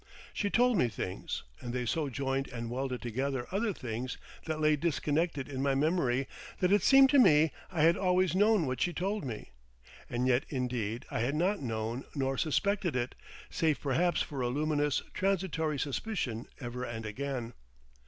She told me things, and they so joined and welded together other things that lay disconnected in my memory, that it seemed to me I had always known what she told me. And yet indeed I had not known nor suspected it, save perhaps for a luminous, transitory suspicion ever and again.